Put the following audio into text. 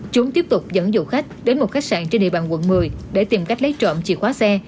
chúng tiếp tục dẫn dụ khách đến một khách sạn trên địa bàn quận một mươi để tìm cách lấy trộm chìa khóa xe